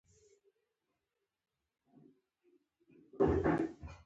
د هنري ځینې نور ایټالوي ملګري فرعي کرکټرونه دي.